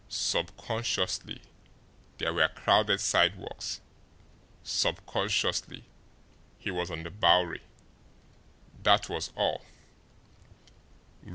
Subconsciously, there were crowded sidewalks; subconsciously, he was on the Bowery that was all.